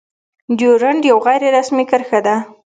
ډيورنډ يو غير رسمي کرښه ده.